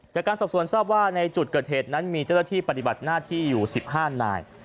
จากการสอบสวนทราบว่าในจุดเกิดเหตุนั้นมีเจ้าหน้าที่ปฏิบัติหน้าที่อยู่๑๕นาย